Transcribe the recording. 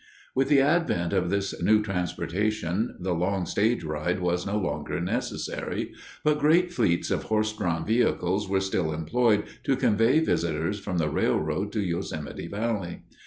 With the advent of this new transportation, the long stage ride was no longer necessary, but great fleets of horsedrawn vehicles were still employed to convey visitors from the railhead to Yosemite Valley.